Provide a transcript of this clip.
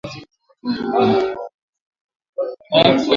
Mutumbu ilikuwa nasaidia batu kuvuka maji